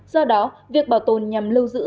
do đó việc bảo tồn nhằm lưu giữ